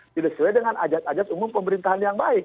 didesulai dengan ajat ajat umum pemerintahan yang baik